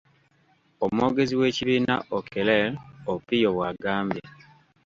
Omwogezi w'ekibiina Okeler Opio bw'agambye.